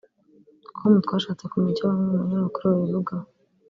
com twashatse kumenya icyo bamwe mu banyamakuru babivugaho